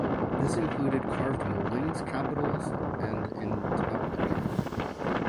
This included carved mouldings, capitals, and entablature.